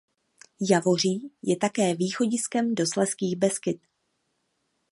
Javoří je také východiskem do Slezských Beskyd.